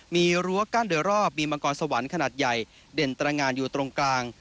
มีรั้วกั้นเดือรอบมีมังกรสวรรค์ขนาดใหญ่เด่นตรงกลาง